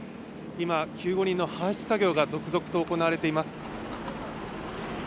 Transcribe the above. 今、救護人の搬出作業が続々と行われています。